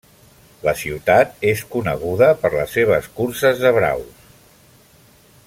La ciutat és coneguda per les seves curses de braus.